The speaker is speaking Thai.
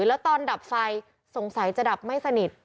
แล้วตอนดับไฟสงสัยจะดับไม่สนิท